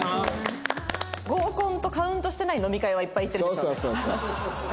合コンとカウントしてない飲み会はいっぱい行ってるでしょうね。